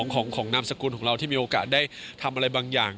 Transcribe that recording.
ของนามสกุลของเราที่มีโอกาสได้ทำอะไรบางอย่าง